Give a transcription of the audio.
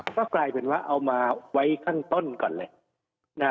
ก็กลายเป็นว่าเอามาไว้ข้างต้นก่อนเลย